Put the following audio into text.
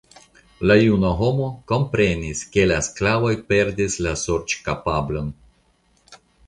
La juna homo komprenis, ke la sklavoj perdis la sorĉkapablon.